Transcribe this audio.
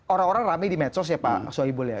orang orang ramai di mensos ya pak soeibul ya